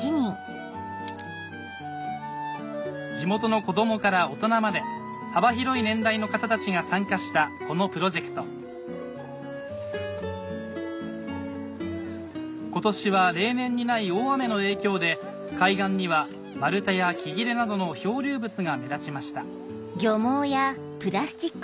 地元の子供から大人まで幅広い年代の方たちが参加したこのプロジェクト今年は例年にない大雨の影響で海岸には丸太や木切れなどの漂流物が目立ちました